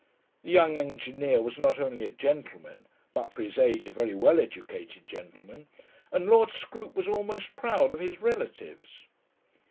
The young Engineer was not only a gentleman, but for his age a very well educated gentleman, and Lord Scroope was almost proud of his relatives.